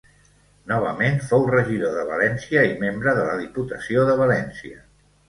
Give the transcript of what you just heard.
Novament fou regidor de València i membre de la Diputació de València.